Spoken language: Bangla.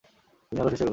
দিনের আলো শেষ হয়ে এল।